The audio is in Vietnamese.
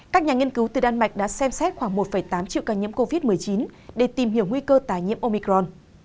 các nhà nghiên cứu từ đan mạch đã xem xét khoảng một tám triệu ca nhiễm covid một mươi chín để tìm hiểu nguy cơ tài nhiễm omicron